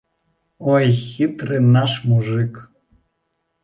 Ой, хітры наш мужык!